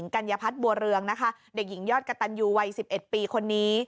กัญญพัฒน์บัวเรืองนะคะเด็กหญิงยอดกระตันยูวัย๑๑ปีคนนี้